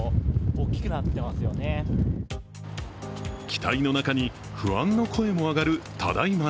期待の中に不安の声も上がるただいま